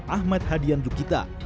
ahmad hadian dukita